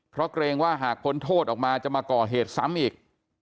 เพราะเกรงว่าหากพ้นโทษออกมาจะมาก่อเหตุซ้ำอีก